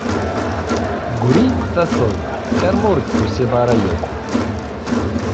Gri taseḍ-d xir ma ur d-tusiḍ ara yakk.